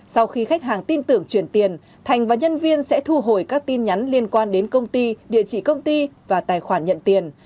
sau khi khách hàng tin tưởng chuyển tiền thành và nhân viên sẽ thu hồi các tin nhắn liên quan đến công ty địa chỉ công ty và tài khoản nhận tiền